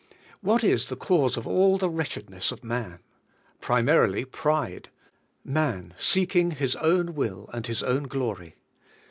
What is the cause of all the wretchedness of man? Primarily pride; man seeking his own will and his own glory.